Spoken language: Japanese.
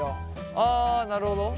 あなるほど。